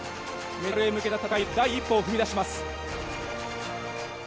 メダルへ向けた戦いの第一歩を踏み出します。